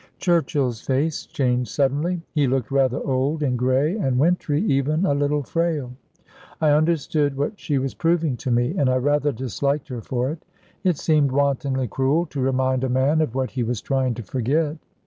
Churchill's face changed suddenly. He looked rather old, and grey, and wintry, even a little frail. I understood what she was proving to me, and I rather disliked her for it. It seemed wantonly cruel to remind a man of what he was trying to forget.